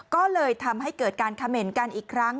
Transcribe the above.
ก็เลยทำให้เกิดการเขม่นกันอีกครั้ง